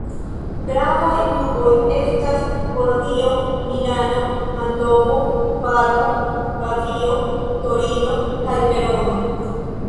Gravaj urboj estas Bolonjo, Milano, Mantovo, Parmo, Pavio, Torino kaj Verono.